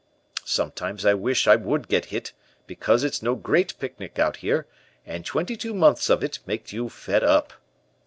Sometimes I wish I would get hit, because it's no great picnic out here, and twenty two months of it makes you fed up.